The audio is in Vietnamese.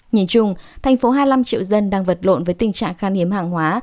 nhìn chung thành phố hai mươi năm triệu dân đang vật lộn với tình trạng khan hiếm hàng hóa